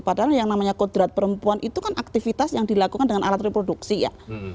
padahal yang namanya kodrat perempuan itu kan aktivitas yang dilakukan dengan alat reproduksi ya